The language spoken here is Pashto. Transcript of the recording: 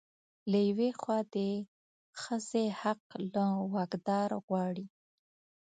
له يوې خوا د ښځې حق له واکدار غواړي